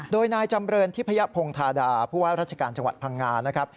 โดยนายจำเรินทิพยพงธาดาผู้ว่าราชการจังหวัดพังงานะครับ